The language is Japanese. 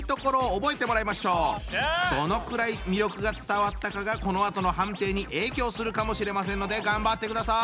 どのくらい魅力が伝わったかがこのあとの判定に影響するかもしれませんので頑張ってください。